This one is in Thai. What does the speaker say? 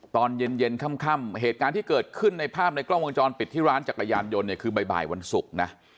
ตอนเย็นค่ำเหตุการณ์ที่เกิดขึ้นในภาพในกล้องวงจรปิดที่ร้านจักรยานยนต์เนี่ยคือบ่ายวันศุกร์นะ